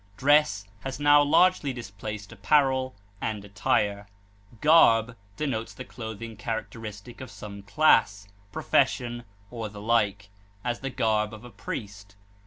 Dress has now largely displaced apparel and attire. Garb denotes the clothing characteristic of some class, profession, or the like; as, the garb of a priest.